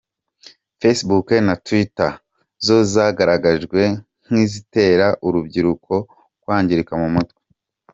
Facebook na Twitter zo zagaragajwe nk’izitera urubyiruko kwangirika mu mutwe.